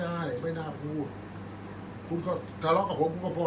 อันไหนที่มันไม่จริงแล้วอาจารย์อยากพูด